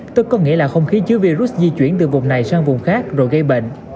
tức có nghĩa là không khí chứa virus di chuyển từ vùng này sang vùng khác rồi gây bệnh